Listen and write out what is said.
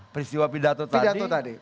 peristiwa pidato tadi